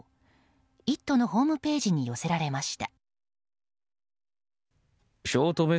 「イット！」のホームページに寄せられました。